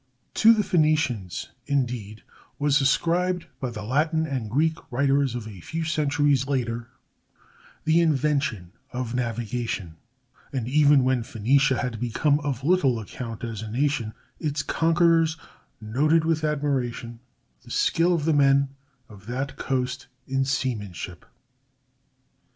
To the Phenicians, indeed, was ascribed, by the Latin and Greek writers of a few centuries later, the invention of navigation; and even when Phenicia had become of little account as a nation, its conquerors noted with admiration the skill of the men of that coast in seamanship.